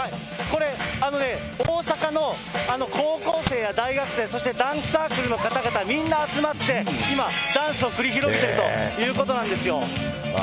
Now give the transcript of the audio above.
これ、大阪の高校生や大学生、そしてダンスサークルの方々、みんな集まって、今、ダンスを繰り広げてるということなんですよ。